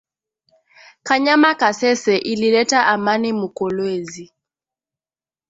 Kanyama kasese ilileta amani mu kolwezi